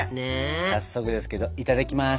早速ですけどいただきます。